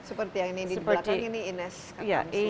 seperti yang ini di belakang ini ines katanya